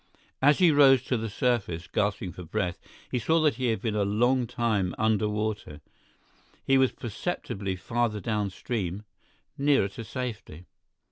As he rose to the surface, gasping for breath, he saw that he had been a long time under water; he was perceptibly farther downstream—nearer to safety.